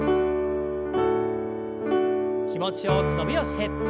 気持ちよく伸びをして。